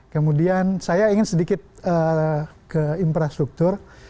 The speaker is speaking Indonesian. kemudian saya ingin sedikit ke infrastruktur